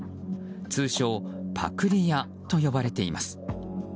通称パクリ屋と呼ばれています。